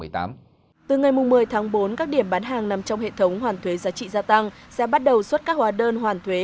từ ngày một mươi tháng bốn các điểm bán hàng nằm trong hệ thống hoàn thuế giá trị gia tăng sẽ bắt đầu xuất các hóa đơn hoàn thuế